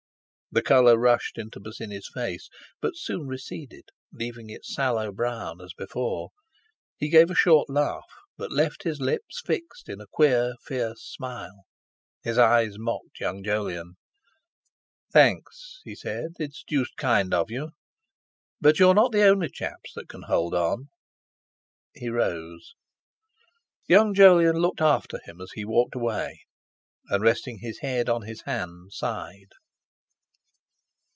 The colour rushed into Bosinney's face, but soon receded, leaving it sallow brown as before. He gave a short laugh, that left his lips fixed in a queer, fierce smile; his eyes mocked young Jolyon. "Thanks," he said. "It's deuced kind of you. But you're not the only chaps that can hold on." He rose. Young Jolyon looked after him as he walked away, and, resting his head on his hand, sighed.